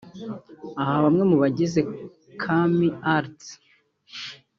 Aha bamwe mu bagize Kaami Arts